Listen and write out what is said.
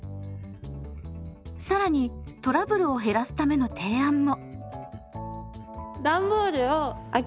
更にトラブルを減らすための提案も。